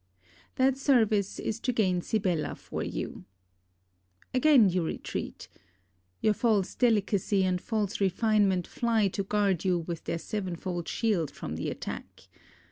That service is to gain Sibella for you. Again you retreat. Your false delicacy and false refinement fly to guard you with their sevenfold shield from the attack.